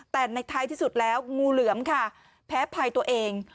แต่ในท้ายที่สุดแล้วงูเหลือมค่ะแพ้ภัยตัวเอง